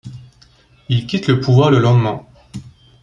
Il quitte le pouvoir le lendemain.